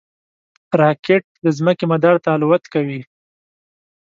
راکټ د ځمکې مدار ته الوت کوي